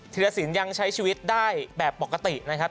รสินยังใช้ชีวิตได้แบบปกตินะครับ